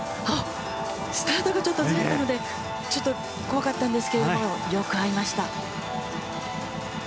スタートがちょっとずれたので怖かったんですけどよく合いました。